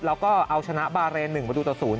แล้วก็เอาชนะบาร์เรน๑บรูตสูญ